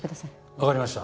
わかりました。